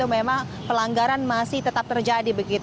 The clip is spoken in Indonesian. memang pelanggaran masih tetap terjadi